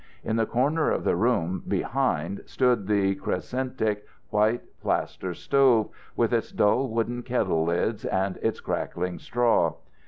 In the corner of the room behind stood the crescentic, white plaster stove, with its dull wooden kettle lids and its crackling straw.